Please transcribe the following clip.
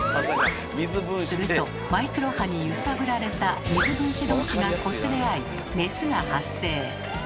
するとマイクロ波に揺さぶられた水分子同士がこすれ合い熱が発生。